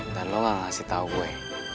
dan lo gak ngasih tau gue